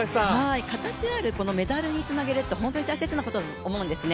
形あるメダルにつなげるって本当に大切なことだと思うんですね。